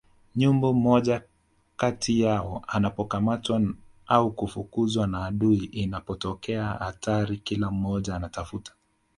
Nyumbu mmoja kati yao anapokamatwa au kufukuzwa na adui inapotokea hatari kila mmoja anatafuta